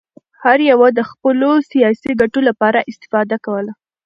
هر یوه د خپلو سیاسي ګټو لپاره استفاده کوله.